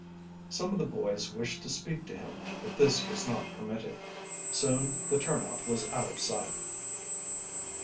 Some of the boys wished to speak to him, but this was not permitted. Soon the turnout was out of sight.